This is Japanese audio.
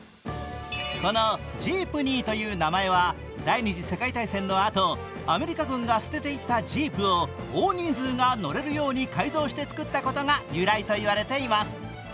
このジープニーという名前は第二次世界大戦のあとアメリカ軍が捨てていったジープを大人数が乗れるように改造して作ったことが由来と言われています。